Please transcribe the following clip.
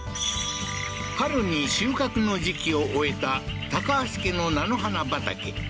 春に収穫の時期を終えた橋家の菜の花畑